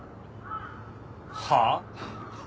はあ？